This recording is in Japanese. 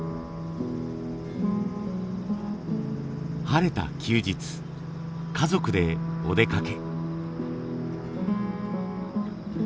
晴れた休日家族でお出かけ。